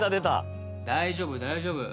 大丈夫大丈夫